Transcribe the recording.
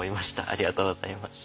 ありがとうございます。